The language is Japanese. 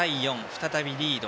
再びリード。